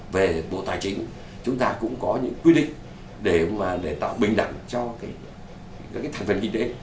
về bộ tài chính chúng ta cũng có những quy định để mà để tạo bình đẳng cho các thành phần kinh tế